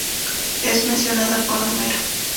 Es mencionada por Homero.